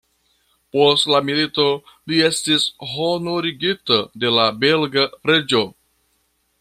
Post la milito li estis honorigita de la belga reĝo.